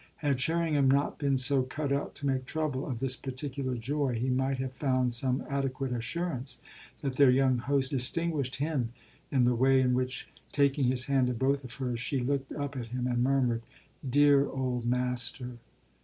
Had Sherringham not been so cut out to make trouble of this particular joy he might have found some adequate assurance that their young hostess distinguished him in the way in which, taking his hand in both of hers, she looked up at him and murmured, "Dear old master!"